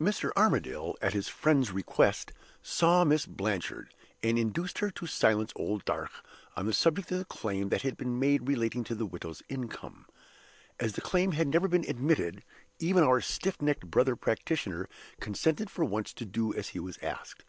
Mr. Armadale, at his friend's request, saw Miss Blanchard, and induced her to silence old Darch on the subject of the claim that had been made relating to the widow's income. As the claim had never been admitted, even our stiff necked brother practitioner consented for once to do as he was asked.